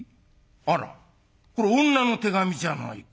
あらこれ女の手紙じゃないか。